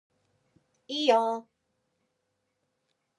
いいよー